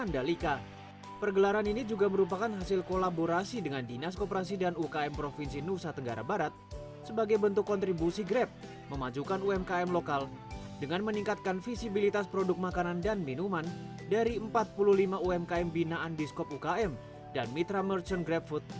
dari empat puluh lima umkm binaan biskop ukm dan mitra merchant grab food